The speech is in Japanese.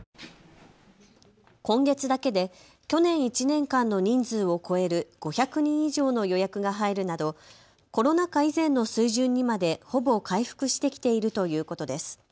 今月だけで去年１年間の人数を超える５００人以上の予約が入るなどコロナ禍以前の水準にまでほぼ回復してきているということです。